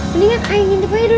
mendingan ayo ngintip aja dulu deh